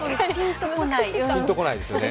ピンと来ないですね。